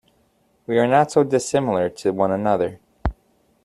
We are not so dissimilar to one another.